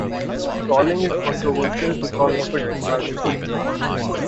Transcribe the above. Trawling is controversial because of its environmental impacts.